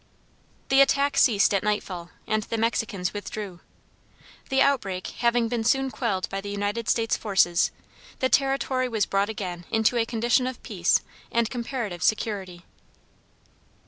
The attack ceased at night fall, and the Mexicans withdrew. The outbreak having been soon quelled by the United States forces, the territory was brought again into a condition of peace and comparative security.